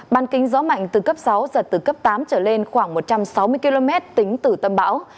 ban kính gió mạnh từ cấp sáu giật từ cấp tám trở lên khoảng một trăm sáu mươi km tính từ tâm bão